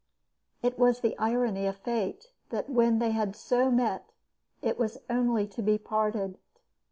It was the irony of fate that when they had so met it was only to be parted.